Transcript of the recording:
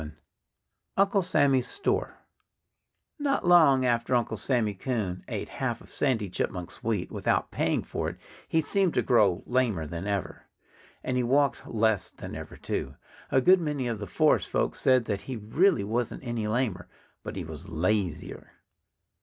VII UNCLE SAMMY'S STORE Not long after Uncle Sammy Coon ate half of Sandy Chipmunk's wheat without paying for it he seemed to grow lamer than ever. And he walked less than ever, too. A good many of the forest folk said that he really wasn't any lamer but he was lazier.